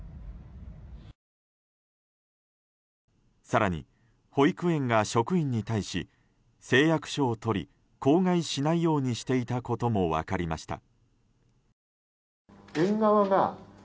更に保育園が職員に対し誓約書を取り口外しないようにしていたことも分かりました。